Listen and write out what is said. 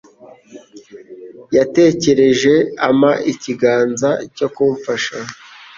Yatekereje ampa ikiganza cyo kumfasha.